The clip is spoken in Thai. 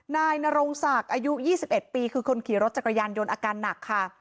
นายนรงศักดิ์อายุ๒๑ปีคือคนขี่รถจักรยานยนต์อาการหนักค่ะ